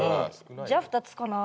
じゃあ２つかな。